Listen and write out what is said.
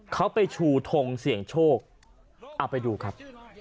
เขาไปชูทงเสี่ยงโชคเอาไปดูครับ